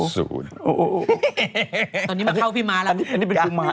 ตอนนี้มาเข้าพี่ม้าละ